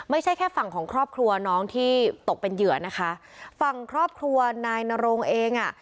ไม่ใช่แค่ฝั่งของครอบครัวน้องที่ตกเป็นเหยื่อนะคะฝั่งครอบครัวนายนโรงเองอ่ะ